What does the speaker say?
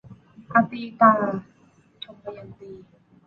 อตีตา - ทมยันตี